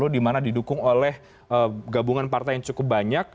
di mana didukung oleh gabungan partai yang cukup banyak